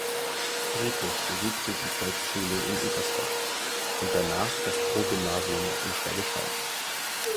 Friedrich besuchte die Volksschule in Ebersbach und danach das Progymnasium in Schwäbisch Hall.